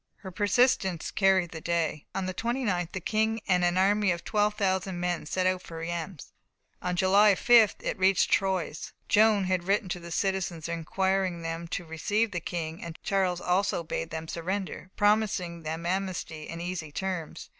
Her persistence carried the day. On the 29th, the King and an army of 12,000 men set out for Reims. On July 5th it reached Troyes. Joan had written to the citizens, requiring them to receive the King, and Charles also bade them surrender, promising them amnesty and easy terms.